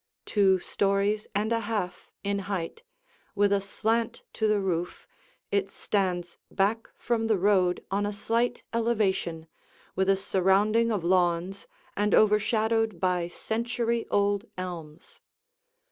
Two stories and a half in height, with a slant to the roof, it stands back from the road on a slight elevation, with a surrounding of lawns and overshadowed by century old elms.